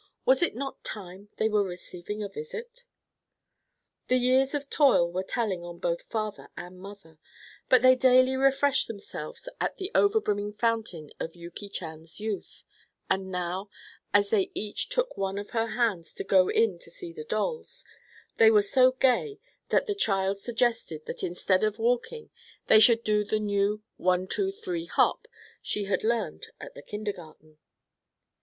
Was it not time they were receiving a visit? The years of toil were telling on both father and mother, but they daily refreshed themselves at the overbrimming fountain of Yuki Chan's youth, and now, as they each took one of her hands to go in to see the dolls, they were so gay that the child suggested that instead of walking they should do the new one two three hop she had learned at the kindergarten.